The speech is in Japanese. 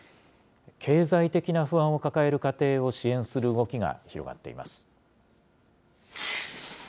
経済的な不安を抱える家庭を支援する動きが広がっています。